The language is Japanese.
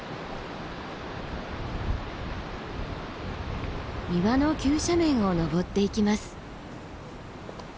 岩の急斜面を登っていきます。